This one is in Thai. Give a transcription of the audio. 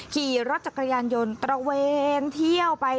ขี่รถจักรยานยนต์ตระเวนเที่ยวไป